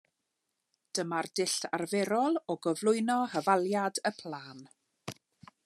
Dyma'r dull arferol o gyflwyno hafaliad y plân.